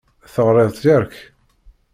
Teɣṛiḍ-t yark?